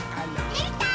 できたー！